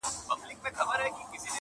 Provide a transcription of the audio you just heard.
ما خو زولني په وینو سرې پکښي لیدلي دي.!